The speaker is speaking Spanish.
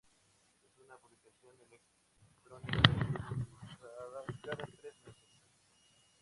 Es una publicación electrónica que se actualizada cada tres meses.